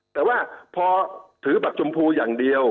แต่ว่าพอถือบัตรชมพูอย่างเดียว